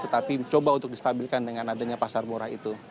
tetapi coba untuk distabilkan dengan adanya pasar murah itu